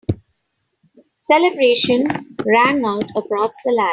Celebrations rang out across the land.